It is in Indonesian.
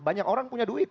banyak orang punya duit